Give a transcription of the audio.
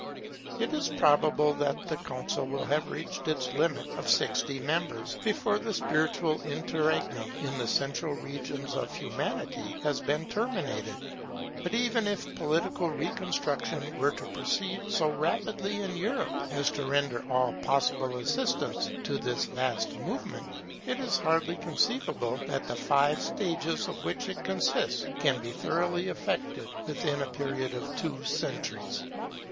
It is probable that the Council will have reached its limit of sixty members, before the spiritual interregnum in the central region of Humanity has been terminated. But even if political reconstruction were to proceed so rapidly in Europe as to render all possible assistance to this vast movement, it is hardly conceivable that the five stages of which it consists can be thoroughly effected within a period of two centuries.